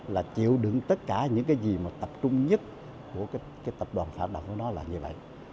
là chịu đựng tất cả những cái gì mà tập trung nhất của cái tập đoàn phản động của nó là như vậy